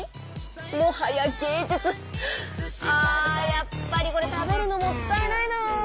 やっぱりこれ食べるのもったいないな。